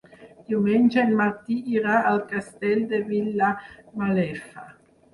Diumenge en Martí irà al Castell de Vilamalefa.